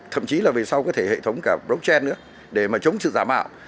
thậm chí là về sau có thể hệ thống cả blockchain nữa để mà chống sự giả mạo